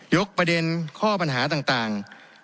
ประเด็นข้อปัญหาต่าง